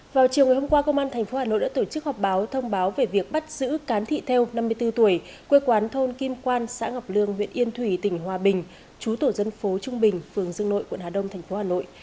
vào chiều ngày hôm qua công an tp hà nội đã tổ chức họp báo thông báo về việc bắt giữ cán thị theo năm mươi bốn tuổi quê quán thôn kim quan xã ngọc lương huyện yên thủy tỉnh hòa bình chú tổ dân phố trung bình phường dương nội quận hà đông thành phố hà nội